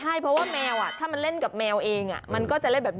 ใช่เพราะว่าแมวถ้ามันเล่นกับแมวเองมันก็จะเล่นแบบนี้